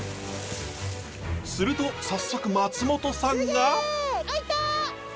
すると早速松本さんが。あっいた！